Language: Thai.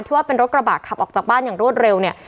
ว่าเป็นรถกระบะขับออกจากบ้านอย่างรวดเร็วเนี่ย